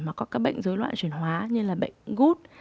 mà có các bệnh dối loạn chuyển hóa như là bệnh gút